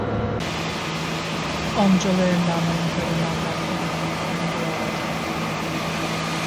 অঞ্চলের নামানুসারে নাম রাখেন পান্ডুয়া রাজ্য।